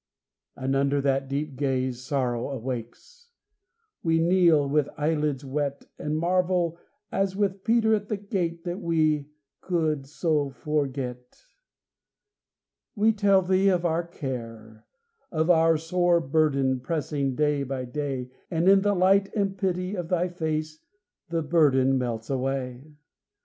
And under that deep gaze Sorrow awakes; we kneel with eyelids wet, And marvel, as with Peter at the gate, That we could so forget, We tell Thee of our care, Of the sore burden, pressing day by day, And in the light and pity of Thy face The burden melts away.